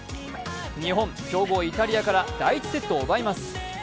日本、強豪・イタリアから第１セットを奪います。